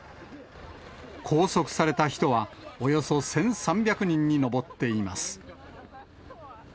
拘束された人はおよそ１３００人に上っています。